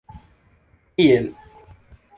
iel